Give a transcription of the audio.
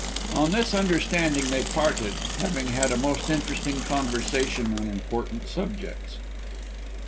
On this understanding they parted, having had a most interesting conversation on important subjects.